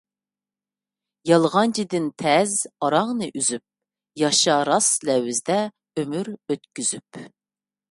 يالغانچىدىن تەز ئاراڭنى ئۈزۈپ، ياشا راست لەۋزدە ئۆمۈر ئۆتكۈزۈپ.